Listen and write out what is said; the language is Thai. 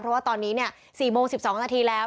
เพราะว่าตอนนี้๔โมง๑๒นาทีแล้ว